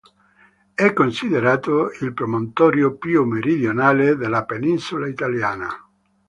È considerato il promontorio più meridionale della penisola italiana.